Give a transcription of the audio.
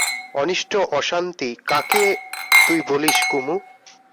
অনিষ্ট অশান্তি কাকে তুই বলিস কুমু?